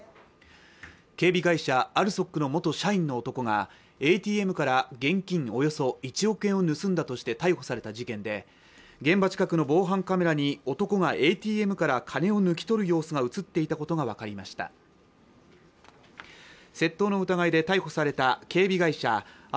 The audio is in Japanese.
警備会社ＡＬＳＯＫの元社員の男がＡＴＭから現金およそ１億円を盗んだとして逮捕された事件で現場近くの防犯カメラに男がＡＴＭから金を抜き取る様子が映っていたことが分かりました窃盗の疑いで逮捕された警備会社